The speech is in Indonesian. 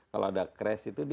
kalau ada crash itu